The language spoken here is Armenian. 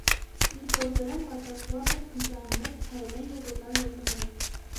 Իր գործերէն պատրաստուած են ընտրանիներ՝ հայերէն եւ օտար լեզուներով։